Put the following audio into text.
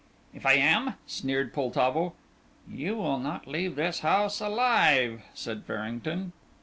"If I am ?" sneered Poltavo. "You will not leave this house alive," said Farrington.